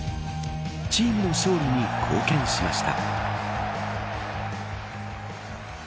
チームの勝利に貢献しました。